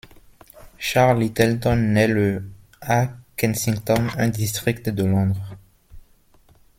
Charles Lyttelton naît le à Kensington, un district de Londres.